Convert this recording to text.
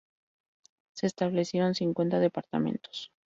Se establecieron cincuenta departamentos.